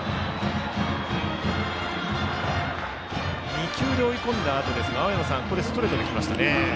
２球で追い込んだあとですがストレートできましたね。